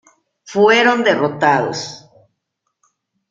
Fueron derrotados.